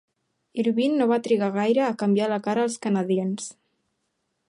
Irvin no va trigar gaire a canviar la cara als Canadiens.